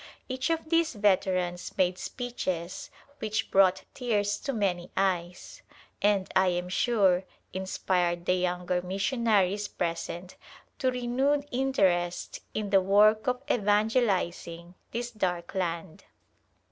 Each of these veterans made speeches which brought tears to many eyes, and, I am sure, inspired the younger mission aries present to renewed interest in the work of evan gelizing this dark land.